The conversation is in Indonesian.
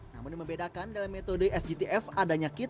namun membedakan dalam metode sgtf ada nyakit